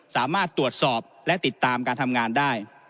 สามารถตรวจสอบและติดตามการทำงานได้